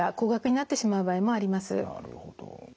なるほど。